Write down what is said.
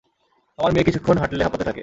আমার মেয়ে কিছুক্ষণ হাঁটলে হাঁপাতে থাকে।